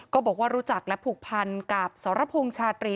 ก็บอกว่ารู้จักและผูกพันกับสรพงษ์ชาตรี